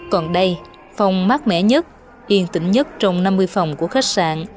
còn đây phòng mát mẻ nhất yên tĩnh nhất trong năm mươi phòng của khách sạn